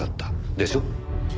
でしょ？